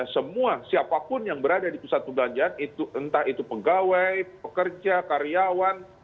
semua siapapun yang berada di pusat perbelanjaan entah itu pegawai pekerja karyawan